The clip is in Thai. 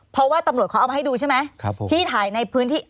เพราะว่าตำรวจเขาเอามาให้ดูใช่ไหม